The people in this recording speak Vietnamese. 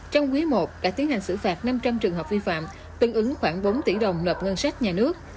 trong quý i đã tiến hành xử phạt năm trăm linh trường hợp vi phạm tương ứng khoảng bốn tỷ đồng nộp ngân sách nhà nước